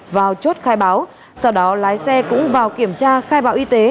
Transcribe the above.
vào chốt khai báo sau đó lái xe cũng vào kiểm tra khai báo y tế